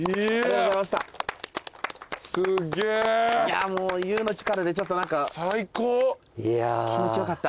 いやぁもう湯の力でちょっと何か気持ち良かった。